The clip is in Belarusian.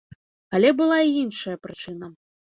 Але была і іншая прычына.